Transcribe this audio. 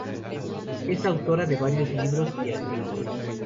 Es autora de varios libros y artículos.